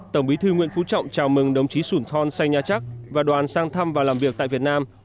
tổng bí thư nguyễn phú trọng chào mừng đồng chí sủn thon say nha trắc và đoàn sang thăm và làm việc tại việt nam